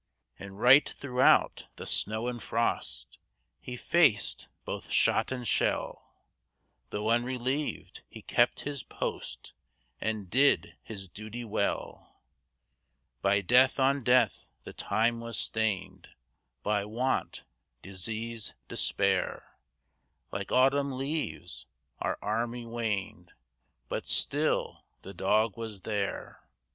And right throughout the snow and frost He faced both shot and shell; Though unrelieved, he kept his post, And did his duty well. By death on death the time was stained, By want, disease, despair; Like autumn leaves our army waned, But still the dog was there.